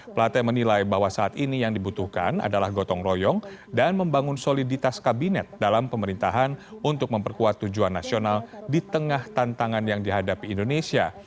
plate menilai bahwa saat ini yang dibutuhkan adalah gotong royong dan membangun soliditas kabinet dalam pemerintahan untuk memperkuat tujuan nasional di tengah tantangan yang dihadapi indonesia